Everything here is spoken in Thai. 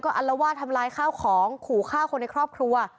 อัลวาดทำลายข้าวของขู่ฆ่าคนในครอบครัว